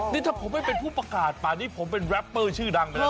นี่ถ้าผมไม่เป็นผู้ประกาศป่านนี้ผมเป็นแรปเปอร์ชื่อดังไปแล้ว